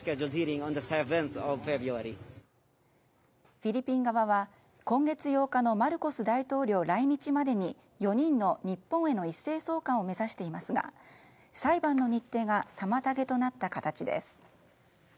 フィリピン側は、今月８日のマルコス大統領来日までに４人の日本への一斉送還を目指していますが裁判の日程が妨げとなった形です。